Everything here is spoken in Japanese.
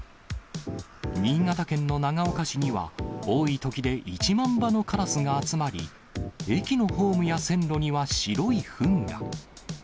新潟県の長岡市には、多いときで１万羽のカラスが集まり、駅のホームや線路には白いふんが。